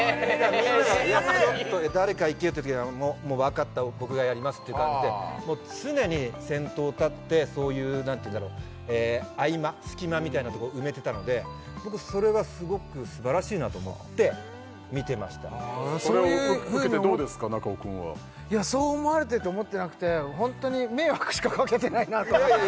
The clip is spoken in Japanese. みんながいやちょっと誰かいけよっていう時はもう分かった僕がやりますっていう感じでもう常に先頭立ってそういう何ていうんだろええ合間隙間みたいなとこ埋めてたので僕それはすごく素晴らしいなと思って見てましたそれを受けてどうですか中尾くんはいやそう思われてると思ってなくてホントに迷惑しかかけてないなと思っていや